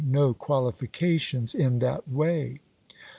no qualifications in that way."